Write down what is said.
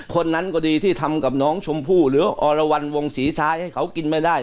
คนนั้นก็ดีที่ทำกับน้องชมพู่หรืออรวรรณวงศรีชายให้เขากินไม่ได้